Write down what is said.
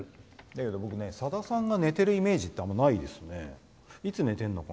だけど僕ね、さださんが寝てるイメージってないですね。